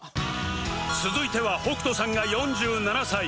続いては北斗さんが４７歳